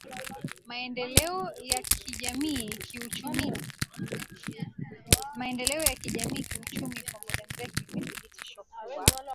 maendeleo ya kijamiikiuchumiKwa muda mrefu imethibitishwa kuwa